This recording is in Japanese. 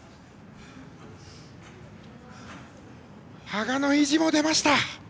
羽賀の意地も出ました。